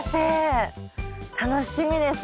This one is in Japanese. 楽しみですね。